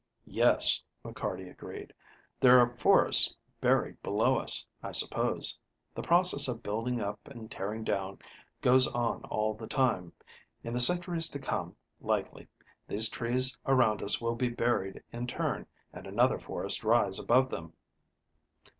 "Yes," McCarty agreed. "There are forests buried below us, I suppose. The process of building up and tearing down goes on all the time. In the centuries to come, likely, these trees around us will be buried in turn, and another forest rise above them."